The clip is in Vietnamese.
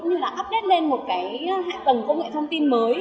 như là update lên một cái hạ tầng công nghệ thông tin mới